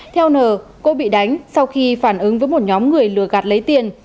theo n cô bị đánh sau khi phản ứng với một nhóm người lừa gạt lấy tiền